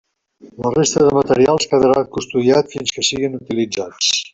La resta de materials quedarà custodiat fins que siguen utilitzats.